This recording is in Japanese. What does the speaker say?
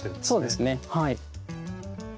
そうですねはい。